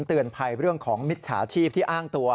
เตือนภัยเรื่องของมิจฉาชีพที่อ้างตัว